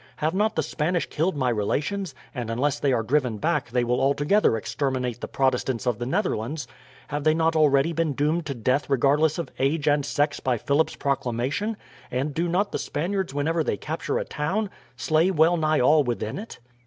Have not the Spanish killed my relations, and unless they are driven back they will altogether exterminate the Protestants of the Netherlands? Have they not already been doomed to death regardless of age and sex by Philip's proclamation? and do not the Spaniards whenever they capture a town slay well nigh all within it?"